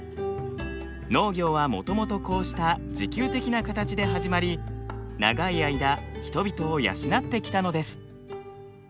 農業はもともとこうした自給的な形で始まり長い間人々を養ってきたのです。